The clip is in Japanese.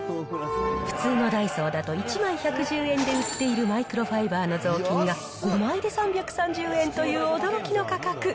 普通のダイソーだと１枚１１０円で売っているマイクロファイバーの雑巾が、５枚で３３０円という驚きの価格。